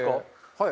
はい。